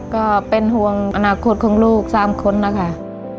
ก็เป็นห่วงอนาคตของลูก๓คนนะคะ